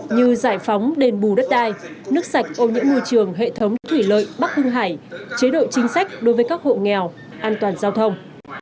như giải phóng đền bù đất đai nước sạch ô nhiễm môi trường hệ thống thủy lợi bắc hưng hải chế độ chính sách đối với các hộ nghèo an toàn giao thông